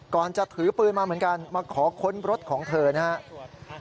จะถือปืนมาเหมือนกันมาขอค้นรถของเธอนะครับ